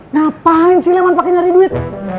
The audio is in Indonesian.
ngapain sih pake nyari duit